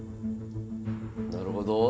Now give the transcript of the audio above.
なるほど。